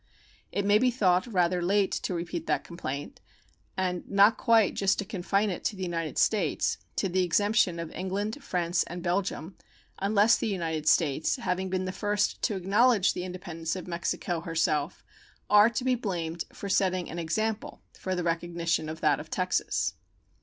It may be thought rather late to repeat that complaint, and not quite just to confine it to the United States to the exemption of England, France, and Belgium, unless the United States, having been the first to acknowledge the independence of Mexico herself, are to be blamed for setting an example for the recognition of that of Texas.